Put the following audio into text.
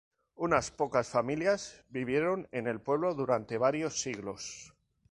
Unas pocas familias vivieron en el pueblo durante varios siglos.